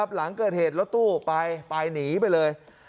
หลังเกิดเหตุรถตู้ไปหนีไปเลย